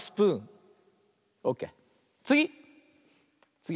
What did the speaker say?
つぎ！